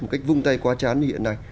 một cách vung tay quá chán như hiện nay